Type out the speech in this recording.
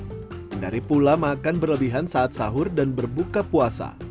hindari pula makan berlebihan saat sahur dan berbuka puasa